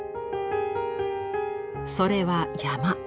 それは「山」。